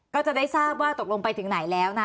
ก็จะได้ทราบว่าตกลงไปถึงไหนแล้วนะ